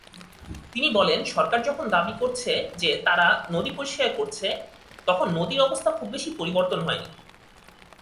তিনি বলেন সরকার যখন দাবি করছে যে তারা নদী পরিষ্কার করছে, তখন নদীর অবস্থার খুব বেশি পরিবর্তন হয়নি।